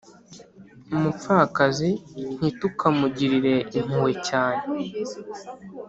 umupfakazi ntitukamugirire impuhwe cyane